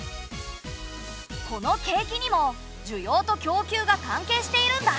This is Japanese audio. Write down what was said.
この景気にも需要と供給が関係しているんだ。